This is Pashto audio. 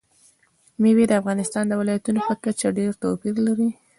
مېوې د افغانستان د ولایاتو په کچه ډېر توپیر لري.